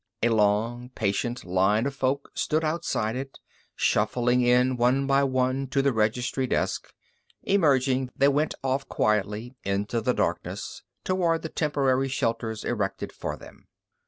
A long, patient line of folk stood outside it, shuffling in one by one to the registry desk; emerging, they went off quietly into the darkness, toward the temporary shelters erected for them.